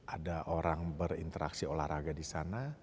ada orang berinteraksi olahraga disana